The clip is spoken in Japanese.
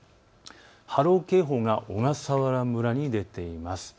波浪警報が小笠原村に出ています。